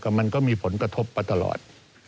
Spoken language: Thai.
มันก็มีผลกระทบมาตลอด